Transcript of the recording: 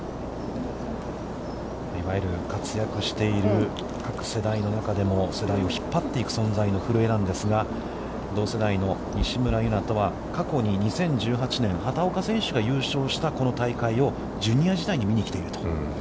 いわゆる活躍している各世代の中でも世代を引っ張っていく存在の古江なんですが、同世代の西村優菜とは、過去に２０１８年畑岡選手が優勝したこの大会をジュニア時代に見に来ていると。